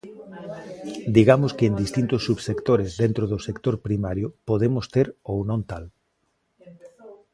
Digamos que en distintos subsectores dentro do sector primario podemos ter ou non tal.